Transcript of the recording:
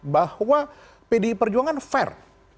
bahwa pdi perjuangan fair